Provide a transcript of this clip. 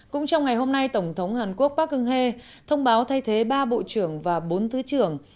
cũng trong ngày hôm nay tổng thống hàn quốc park hang hez thông báo thay thế ba bộ trưởng và bốn thứ trưởng